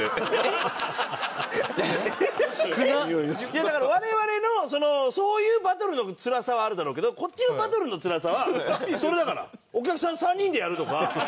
いやだから我々のそういうバトルのつらさはあるだろうけどこっちのバトルのつらさはそれだから。